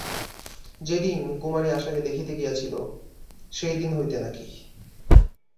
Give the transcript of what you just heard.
যেদিন কুমারী আশাকে দেখিতে গিয়াছিল, সেই দিন হইতে নাকি।